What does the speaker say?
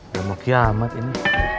udah mau kiamat ini